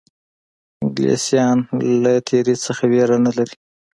انګلیسیان له تېري څخه وېره نه لري.